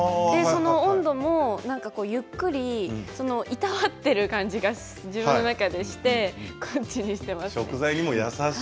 温度もゆっくりいたわっている感じが自分の中でしてこっちにしています。